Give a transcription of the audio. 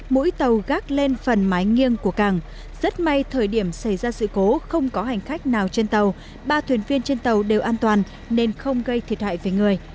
mỗi tàu gác lên phần mái nghiêng của càng rất may thời điểm xảy ra sự cố không có hành khách nào trên tàu ba thuyền viên trên tàu đều an toàn nên không gây thiệt hại về người